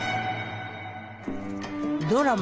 ドラマ